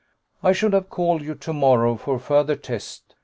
I should have called you to morrow, for further test.